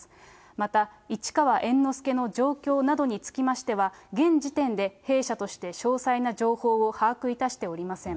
また、市川猿之助の状況などにつきましては、現時点で弊社として詳細な情報を把握いたしておりません。